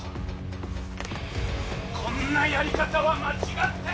「こんなやり方は間違ってる！」